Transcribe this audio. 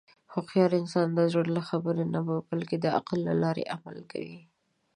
هوښیار انسان د زړه له خبرې نه، بلکې د عقل له لارې عمل کوي.